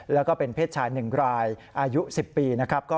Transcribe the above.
แล้วก็เป็นเพศชาย๑รายอายุ๑๐ปีนะครับ